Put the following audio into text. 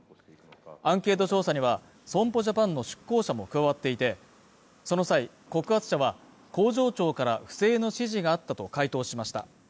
アンケート調査には損保ジャパンの出向者も加わっていてその際告発者は工場長から不正の指示があったと回答しました